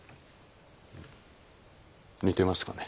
似てますかね？